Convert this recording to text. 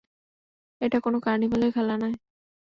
এটা কোনো কার্নিভ্যালের খেলা নয়।